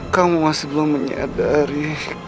kamu masih belum menyadari